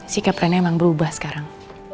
sikap trennya emang berubah sekarang